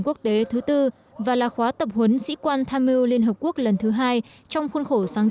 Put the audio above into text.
quốc tế thứ tư và là khóa tập huấn sĩ quan tham mưu liên hợp quốc lần thứ hai trong khuôn khổ sáng